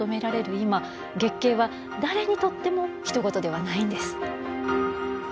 今月経は誰にとってもひと事ではないんです。